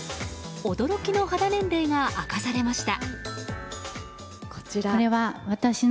驚きの肌年齢が明かされました。